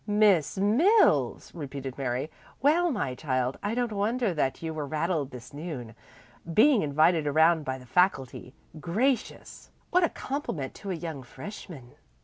"Miss Mills!" repeated Mary. "Well, my child, I don't wonder that you were rattled this noon, being invited around by the faculty. Gracious, what a compliment to a young freshman!"